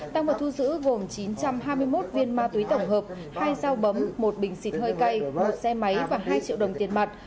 tăng vật thu giữ gồm chín trăm hai mươi một viên ma túy tổng hợp hai dao bấm một bình xịt hơi cay một xe máy và hai triệu đồng tiền mặt